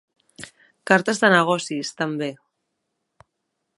Cartes de negocis, també!